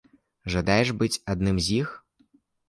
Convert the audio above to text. Жадаеш быць адным з іх?